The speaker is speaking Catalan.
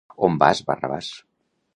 On vas, Barrabàs?